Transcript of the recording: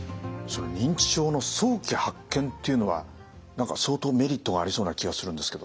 認知症の早期発見っていうのは何か相当メリットがありそうな気がするんですけど。